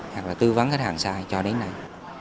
hoặc là tư vấn hết hàng sai cho đến nay